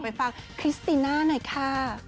ไปฟังคริสติน่าหน่อยค่ะ